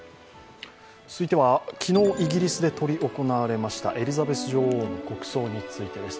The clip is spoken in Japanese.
続いては昨日イギリスで執り行われましたエリザベス女王の国葬についてです。